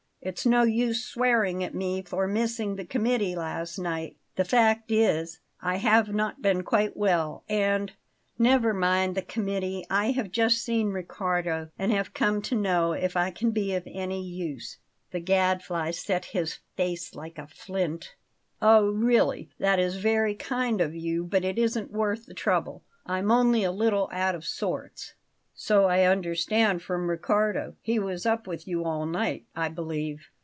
It's no use swearing at me for missing the committee last night; the fact is, I have not been quite well, and " "Never mind the committee. I have just seen Riccardo, and have come to know if I can be of any use." The Gadfly set his face like a flint. "Oh, really! that is very kind of you; but it wasn't worth the trouble. I'm only a little out of sorts." "So I understood from Riccardo. He was up with you all night, I believe."